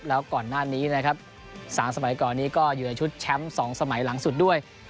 แล้วก่อนหน้านี้นะครับ๓สมัยก่อนนี้ก็อยู่ในชุดแชมป์๒สมัยหลังสุดด้วย